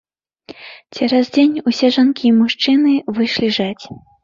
Цераз дзень усе жанкі і мужчыны выйшлі жаць.